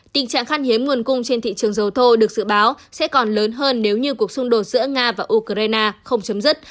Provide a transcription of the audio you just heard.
tình trạng khăn hiếm nguồn cung trên thị trường dầu thô được dự báo sẽ còn lớn hơn nếu như cuộc xung đột giữa nga và ukraine không chấm dứt